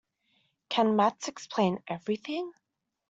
Can maths explain everything?